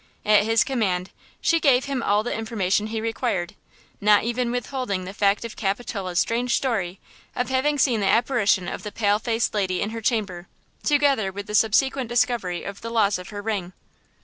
At his command she gave him all the information he required, not even withholding the fact of Capitola's strange story of having seen the apparition of the pale faced lady in her chamber, together with the subsequent discovery of the loss of her ring.